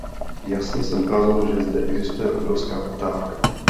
Jasně se ukázalo, že zde existuje obrovská poptávka.